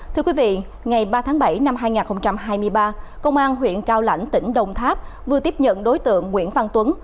thưa quý vị ngày ba tháng bảy năm hai nghìn hai mươi ba công an huyện cao lãnh tỉnh đồng tháp vừa tiếp nhận đối tượng nguyễn văn tuấn